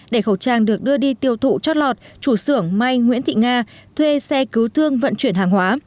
để khẩu trang được đưa đi tiêu thụ chót lọt chủ xưởng may nguyễn thị nga thuê xe cứu thương vận chuyển hàng hóa